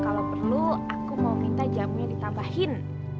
kalo perlu aku mau minta jamu yang ditambahin